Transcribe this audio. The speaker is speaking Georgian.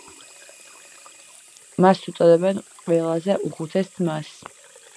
მას უწოდებენ „ყველაზე უხუცეს ძმას“.